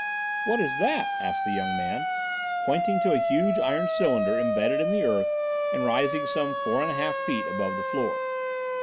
"What is that?" asked the young man, pointing to a huge iron cylinder embedded in the earth and rising some four and a half feet above the floor.